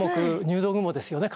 入道雲ですよね